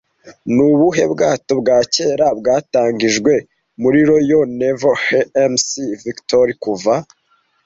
Nubuhe bwato bwa kera bwatangijwe muri Royal Navy HMS Victory kuva